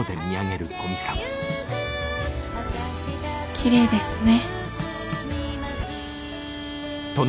きれいですね。